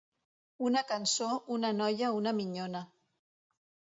Una cançó, una noia, una minyona.